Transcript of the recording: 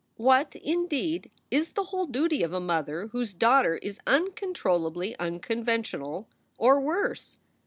What, indeed, is the whole duty of a mother whose daugh ter is uncontrollably unconventional or worse?